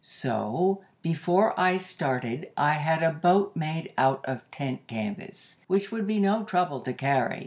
"So before I started I had a boat made out of tent canvas, which would be no trouble to carry.